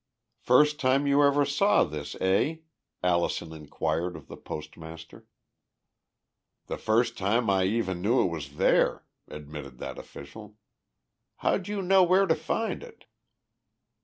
"First time you ever saw this, eh?" Allison inquired of the postmaster. "The first time I even knew it was there," admitted that official. "How'd you know where to find it?"